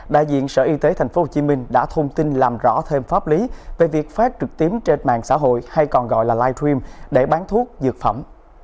đại diện sở y tế tp hcm đã thông tin làm rõ thêm pháp lý về việc phát trực tiếp trên mạng xã hội hay còn gọi là live stream để bán thuốc dược phẩm